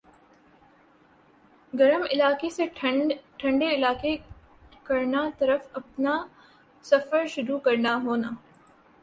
گرم علاقہ سے ٹھنڈے علاقہ کرنا طرف اپنانا سفر شروع کرنا ہونا